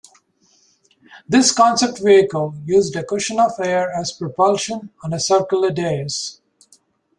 This concept vehicle used a cushion of air as propulsion on a circular dais.